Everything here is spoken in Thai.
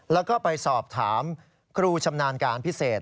แล้วก็ไปสอบถามครูชำนาญการพิเศษ